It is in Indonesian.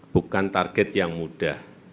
bukan target yang mudah